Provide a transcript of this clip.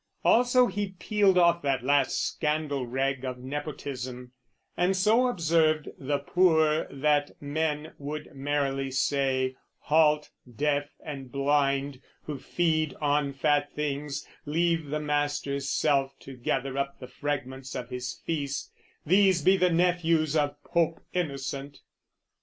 Also he peeled off that last scandal rag Of Nepotism; and so observed the poor That men would merrily say, "Halt, deaf, and blind, Who feed on fat things, leave the master's self "To gather up the fragments of his feast, "These be the nephews of Pope Innocent!